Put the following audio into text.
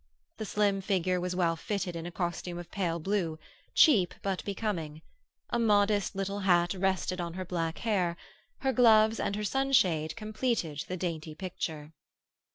The slim figure was well fitted in a costume of pale blue, cheap but becoming; a modest little hat rested on her black hair; her gloves and her sunshade completed the dainty picture.